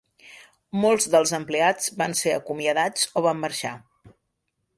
Molts dels empleats van ser acomiadats o van marxar.